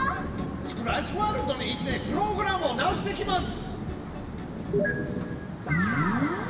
スクラッチワールドに行ってプログラムを直してきます！